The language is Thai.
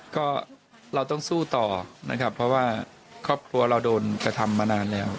ก็เราต้องสู้ต่อนะครับเพราะว่าครอบครัวเราโดนกระทำมานานแล้ว